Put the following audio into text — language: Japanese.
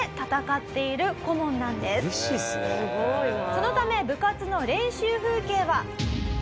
「そのため部活の練習風景は」